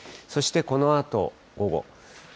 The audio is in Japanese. そしてこのあと午後。